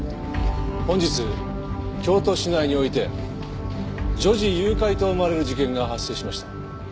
本日京都市内において女児誘拐と思われる事件が発生しました。